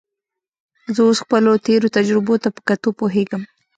زه اوس خپلو تېرو تجربو ته په کتو پوهېږم.